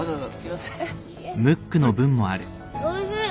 おいしい。